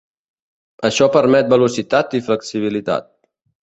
Això permet velocitat i flexibilitat.